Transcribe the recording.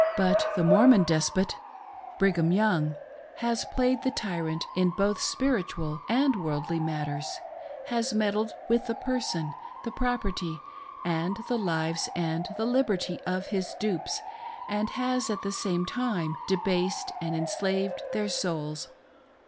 But the Mormon despot— Brigham Young — has played the tyrant in both spiritual and worldly matters,— ^has meddled with the person, the property, and the lives and the liberty of his dupes ; and has at the same time debased and enslaved their souls.